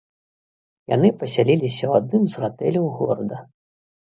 Яны пасяліліся ў адным з гатэляў горада.